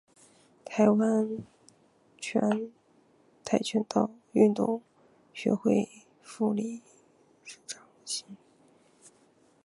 台湾跆拳道运动学会副理事长行政院体育委员会训辅委员